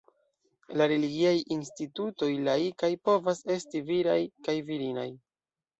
La religiaj institutoj laikaj povas esti viraj kaj virinaj.